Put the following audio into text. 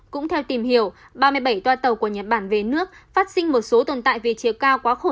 cũng theo tìm hiểu ba mươi bảy toa tàu của nhật bản về nước phát sinh một số tồn tại vì chiều cao quá khổ